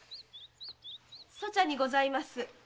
粗茶にございます。